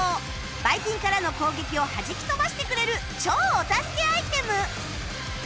バイキンからの攻撃をはじき飛ばしてくれる超お助けアイテム